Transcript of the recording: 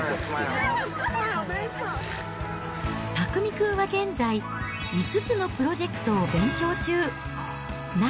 拓海君は現在、５つのプロジェクトを勉強中。